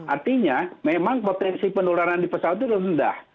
artinya memang potensi penularan di pesawat itu rendah